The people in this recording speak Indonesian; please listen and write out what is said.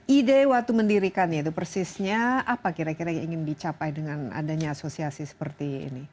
ide waktu mendirikannya itu persisnya apa kira kira yang ingin dicapai dengan adanya asosiasi seperti ini